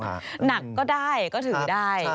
หนักก็ได้ก็ถือได้